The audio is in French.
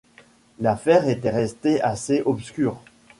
L’affaire était restée assez obscure.